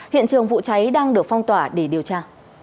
hiện trường vụ cháy đang được phong tỏa để điều tra